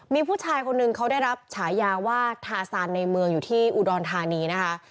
มีผู้ชายคนหนึ่งเขาได้รับฉายาว่าทาซานในเมืองอยู่ที่อุดรธานีนะคะ